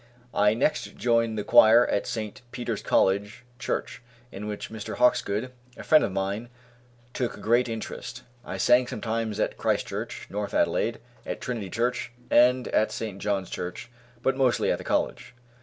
I next joined the choir at St. Peter's College Church, in which Mr. Hawkesgood, a friend of mine, took great interest. I sang sometimes at Christ Church, North Adelaide, at Trinity Church, and at St. John's Church, but mostly at the College.